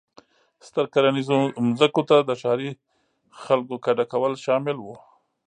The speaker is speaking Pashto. ستر کرنیزو ځمکو ته د ښاري خلکو کډه کول شامل و.